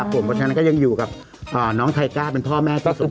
ผมก็ยังอยู่กับน้องไทยกล้าเป็นพ่อแม่ที่สมบูรณ์